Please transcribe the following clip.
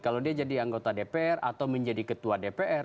kalau dia jadi anggota dpr atau menjadi ketua dpr